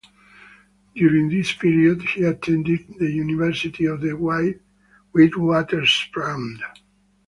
During this period he attended the University of the Witwatersrand.